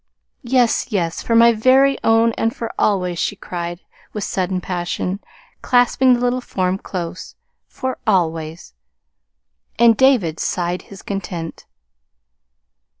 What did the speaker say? "Yes, yes, for my very own and for always!" she cried with sudden passion, clasping the little form close. "For always!" And David sighed his content.